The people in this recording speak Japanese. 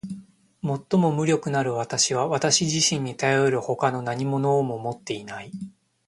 最も無力なる私は私自身にたよる外の何物をも持っていない。